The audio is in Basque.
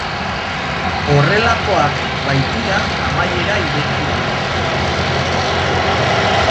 Horrelakoak baitira amaiera irekiak.